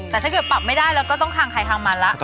แต่ถ้าเกิดปรับไม่ได้แล้วก็ต้องคางใครทางมันแล้ว